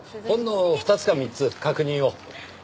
ほんの２つか３つ確認を。